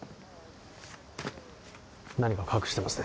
何か隠してますね